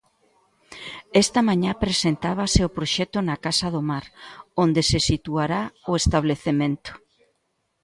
Esta mañá presentábase o proxecto na Casa do Mar, onde se situará o establecemento.